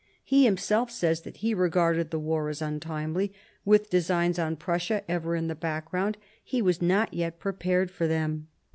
He himself says that he regarded the war as untimely ; with designs on Prussia ever in the background, he was not yet prepared for them.